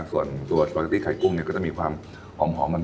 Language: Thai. ส่วนตัวสปาเกตตี้ไข่กุ้งเนี่ยก็จะมีความหอมมัน